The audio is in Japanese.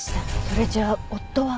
それじゃあ夫は。